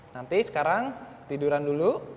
nanti sekarang tiduran dulu